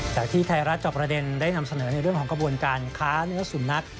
จากที่ไทยรัฐจอบประเด็นได้นำเสนอในเรื่องของกระบวนการค้าเนื้อสุนัข